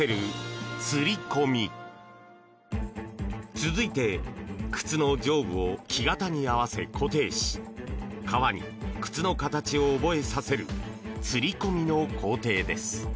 続いて、靴の上部を木型に合わせ固定し革に靴の形を覚えさせるつり込みの工程です。